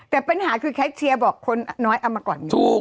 แต่ปัญหาคือแคทเชียร์บอกคนน้อยเอามาก่อนไง